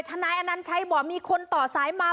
นายอนัญชัยบอกมีคนต่อสายมา